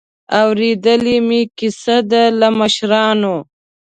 اورېدلې مې کیسه ده له مشرانو.